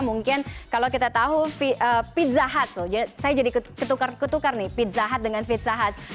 mungkin kalau kita tahu pizza hut saya jadi ketukar ketukar nih pizza hut dengan pizza huts